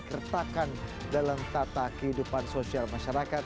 kertakan dalam tata kehidupan sosial masyarakat